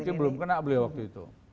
mungkin belum kena beliau waktu itu